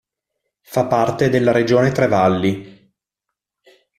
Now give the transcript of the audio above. Fa parte della Regione Tre Valli.